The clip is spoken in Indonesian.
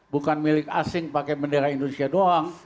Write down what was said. bukan milik asing pakai bendera indonesia doang